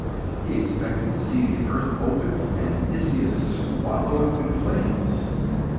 He expected to see the earth open, and Nicias swallowed up in flames.